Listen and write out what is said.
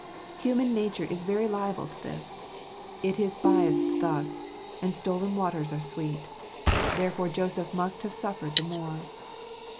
Human nature is very liable to this. It is biassed thus; and stolen waters are sweet. Therefore Joseph must have suffered the more.